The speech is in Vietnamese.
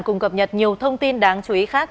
cùng cập nhật nhiều thông tin đáng chú ý khác